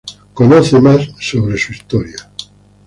Conoce más sobre su historia.